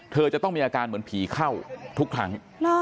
เธอจะต้องมีอาการเหมือนผีเข้าทุกครั้ง